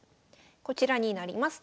こちらになります。